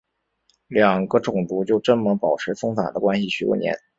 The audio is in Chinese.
两个种族就这么保持松散的关系许多年。